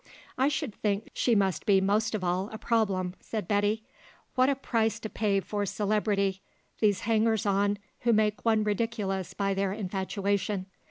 "I should think she must be most of all a problem," said Betty. "What a price to pay for celebrity these hangers on who make one ridiculous by their infatuation.